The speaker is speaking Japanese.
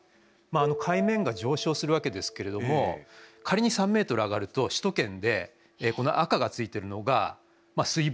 海面が上昇するわけですけれども仮に３ｍ上がると首都圏でこの赤がついてるのが水没する所。